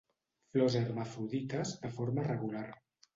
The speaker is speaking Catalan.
Flors hermafrodites de forma regular.